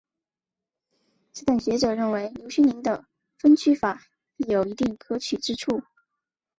此等学者认为刘勋宁的分区法亦有一定可取之处。